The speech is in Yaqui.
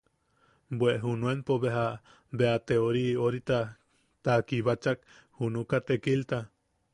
Bwe junuenpo, beja bea te ori orita, ta kibachak junuka tekilta.